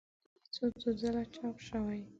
د شعرونو دیوان یې څو څو ځله چاپ شوی.